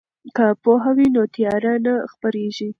که پوهه وي نو تیاره نه خپریږي.